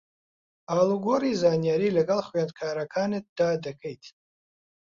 ئاڵوگۆڕی زانیاری لەگەڵ خوێنەرەکانتدا دەکەیت